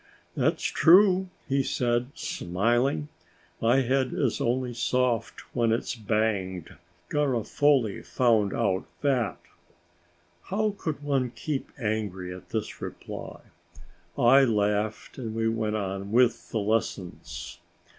"That's true," he said, smiling; "my head is only soft when it's banged. Garofoli found out that!" How could one keep angry at this reply. I laughed and we went on with the lessons.